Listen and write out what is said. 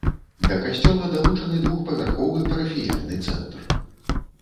Да касцёла далучаны двухпавярховы парафіяльны цэнтр.